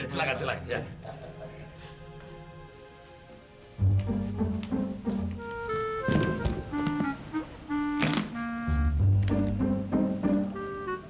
selamat siang pak